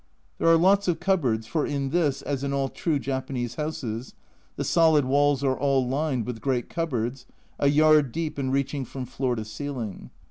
There are lots of cupboards, for in this, as in all true Japanese houses, the solid walls are all lined with great cupboards, a yard deep and reaching from floor to ceiling.